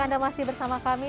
anda masih bersama kami